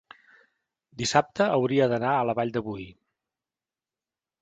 dissabte hauria d'anar a la Vall de Boí.